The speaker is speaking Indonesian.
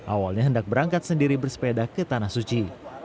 awalnya hendak berangkat sendiri bersepeda ke tanah suci